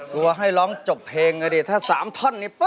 กลัวให้ร้องจบเพลงหน่อยดิถ้า๓ท่อนอย่างนี้ป๊ะ